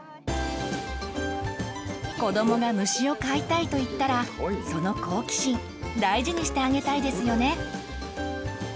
子どもが虫を飼いたいと言ったらその好奇心大事にしてあげたいですよね。